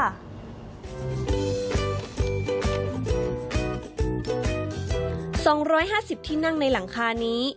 ๒๕๐คอเรียนที่นั่งในหลังคานี้